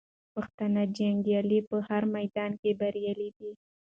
پښتانه جنګیالي په هر میدان کې بریالي دي.